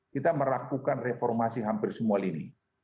kita merakukan reformasi hampir semua lini